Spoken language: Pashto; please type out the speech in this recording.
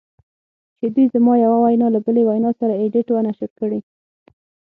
چې دوی زما یوه وینا له بلې وینا سره ایډیټ و نشر کړې